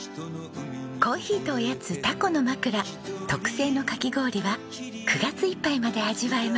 珈琲とおやつタコのまくら特製のかき氷は９月いっぱいまで味わえます。